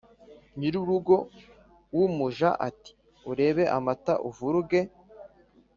nyir’urugo w’umuja ati ‘urebe amata uvuruge,